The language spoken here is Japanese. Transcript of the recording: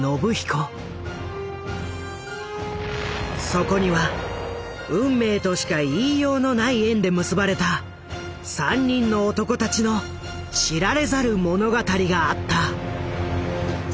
そこには運命としか言いようのない縁で結ばれた３人の男たちの知られざる物語があった。